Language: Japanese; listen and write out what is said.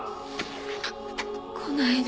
来ないで。